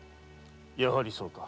やはりそうか。